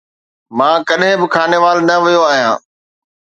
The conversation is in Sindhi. مان ڪڏهن به خانيوال نه ويو آهيان